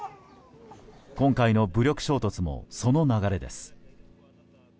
今回の武力衝突もその流れです。